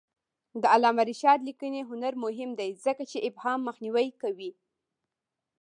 د علامه رشاد لیکنی هنر مهم دی ځکه چې ابهام مخنیوی کوي.